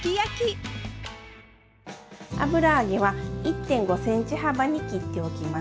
油揚げは１．５センチ幅に切っておきます。